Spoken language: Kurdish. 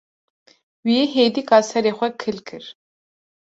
Wî hêdîka serê xwe kil kir.